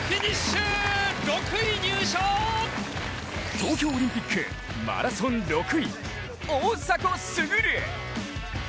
東京オリンピックマラソン６位、大迫傑！